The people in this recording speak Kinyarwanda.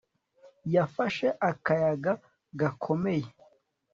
Yafashe akayaga gakomeye